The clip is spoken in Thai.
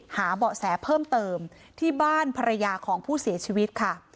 เบาะแสเพิ่มเติมที่บ้านภรรยาของผู้เสียชีวิตค่ะ